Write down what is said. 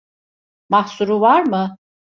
Mahsuru var mı?